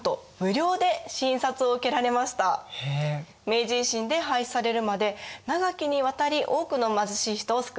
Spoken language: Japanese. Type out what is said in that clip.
明治維新で廃止されるまで長きにわたり多くの貧しい人を救ったんですよ。